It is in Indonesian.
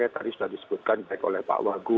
tadi sudah disebutkan baik oleh pak wagu